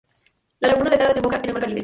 La laguna de Tara desemboca en el mar Caribe.